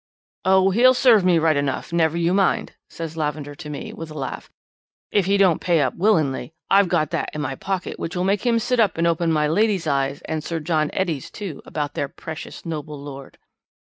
"'Oh! He'll serve me right enough, never you mind!' says Lavender to me with a laugh. 'If he don't pay up willingly, I've got that in my pocket which will make him sit up and open my lady's eyes and Sir John Etty's too about their precious noble lord.'